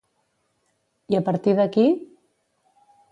I a partir d'aquí?